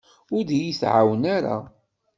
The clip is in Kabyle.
Ur d-iyi-tɛawnem ara.